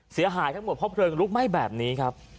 เสียหายทั้งหมดเพราะเพลิงลุกไหม้แบบนี้ครับ